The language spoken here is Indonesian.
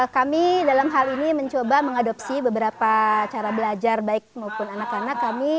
kami dalam hal ini mencoba mengadopsi beberapa cara belajar baik maupun anak anak kami